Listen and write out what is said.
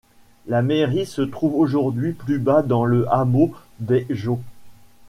La mairie se trouve aujourd'hui plus bas dans le hameau des Jaux.